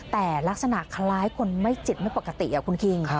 แต่ลักษณะคล้ายคนไม่จิตไม่ปกติคุณคิง